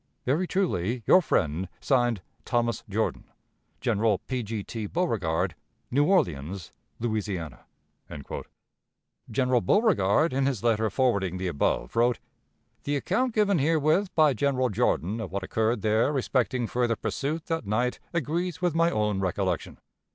"Very truly, your friend, (Signed) "Thomas Jordan. "General P. G. T. Beauregard, New Orleans, Louisiana." General Beauregard, in his letter forwarding the above, wrote, "The account given herewith by General Jordan of what occurred there respecting further pursuit that night agrees with my own recollection."